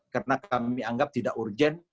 karena kami anggap tidak urgen